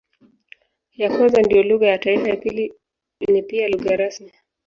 Ya kwanza ndiyo lugha ya taifa, ya pili ni pia lugha rasmi.